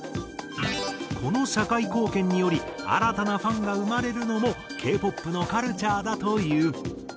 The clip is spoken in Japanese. この社会貢献により新たなファンが生まれるのもＫ−ＰＯＰのカルチャーだという。